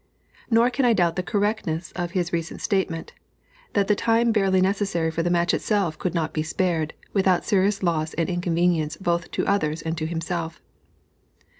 Nor can I doubt the correctness of his recent statement, that the time barely necessary for the match itself could not be spared, without serious loss and inconvenience both to others and to himself.